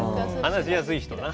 話しやすい人な。